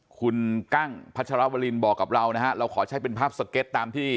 คุณกั้งพัชรวรินบอกกับเรานะฮะเราขอใช้เป็นภาพสเก็ตตามที่